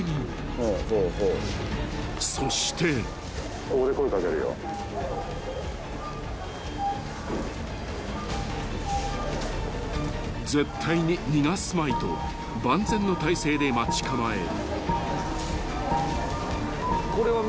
［そして］［絶対に逃がすまいと万全の態勢で待ち構える］